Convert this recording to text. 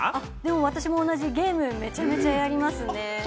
私も同じ、ゲームめちゃめちゃやりますね。